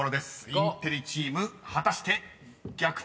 ［インテリチーム果たして逆転なるか］